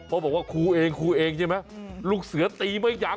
แล้วคุณครูหนีแทบไม่ทัน